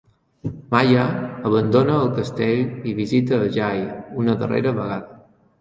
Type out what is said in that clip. Maya abandona el castell i visita a Jai una darrera vegada.